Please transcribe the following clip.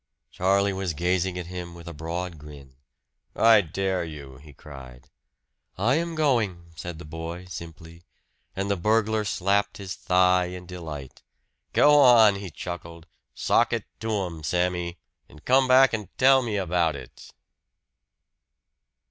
Charlie was gazing at him with a broad grin. "I dare you!" he cried. "I am going," said the boy simply; and the burglar slapped his thigh in delight. "Go on!" he chuckled. "Sock it to him, Sammy! And come back and tell me about it!"